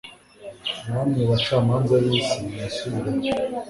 namwe, bacamanza b'isi, mwisubireho